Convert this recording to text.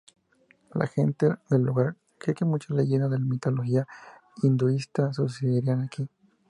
La gente del lugar cree que muchas leyendas de la mitología hinduista sucedieron aquí.